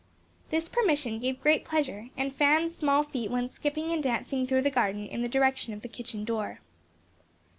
This permission gave great pleasure, and Fan's small feet went skipping and dancing through the garden in the direction of the kitchen door.